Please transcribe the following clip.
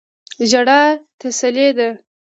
ژړا تسلی ده.